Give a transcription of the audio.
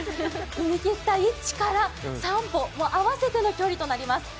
踏み切った位置から３歩、合わせての距離となります。